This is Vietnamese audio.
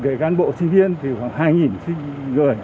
để cán bộ sinh viên thì khoảng hai